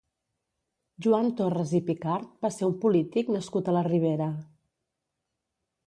Joan Torres i Picart va ser un polític nascut a la Ribera.